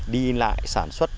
đi lại sản xuất